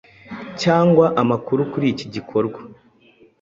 cyangwa amakuru kuri iki gikorwa